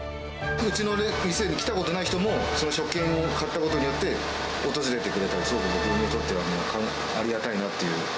うちの店に来たことない人も、その食券を買ったことによって、訪れてくれて、すごく僕にとってはありがたいなっていう。